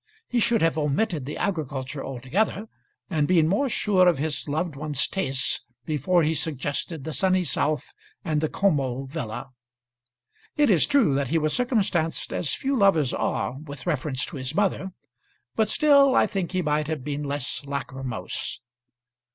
He should have omitted the agriculture altogether, and been more sure of his loved one's tastes before he suggested the sunny south and the Como villa. It is true that he was circumstanced as few lovers are, with reference to his mother; but still I think he might have been less lachrymose.